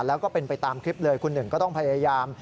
แล้วก็เป็นไปตามคลิปเลยคุณหนึ่งก็ต้องพยายาม